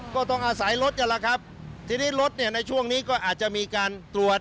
ก็ต้องอาศัยรถนี่แล้วที่นี่รถในช่วงนี้ก็อาจจะมีการตรวจ